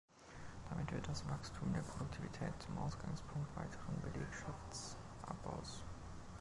Damit wird das Wachstum der Produktivität zum Ausgangspunkt weiteren Belegschaftsabbaus.